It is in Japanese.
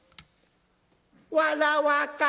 「わらわか？」。